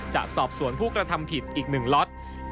จะสอบสวนผู้กระทำผิดอีก๑ล็อต